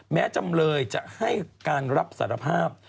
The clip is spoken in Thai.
จำเลยจะให้การรับสารภาพ